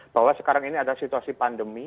bahwa sekarang ini adalah situasi pandemi